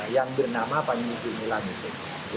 yang bernama panji gumilang itu